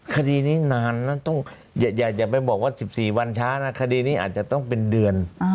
คดีนี้นานนะต้องอย่าไปบอกว่า๑๔วันช้านะคดีนี้อาจจะต้องเป็นเดือน